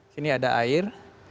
sini ada air